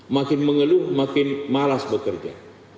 makin mengeluh makin malas bekerja